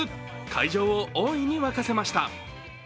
会場を大いに沸かせました。